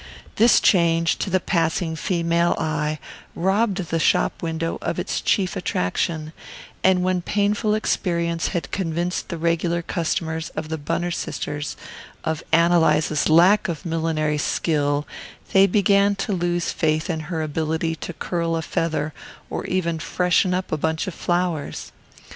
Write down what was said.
This change, to the passing female eye, robbed the shop window of its chief attraction; and when painful experience had convinced the regular customers of the Bunner Sisters of Ann Eliza's lack of millinery skill they began to lose faith in her ability to curl a feather or even "freshen up" a bunch of flowers.